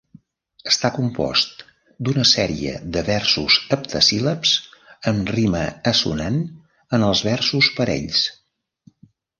Està compost d'una sèrie de versos heptasíl·labs amb rima assonant en els versos parells.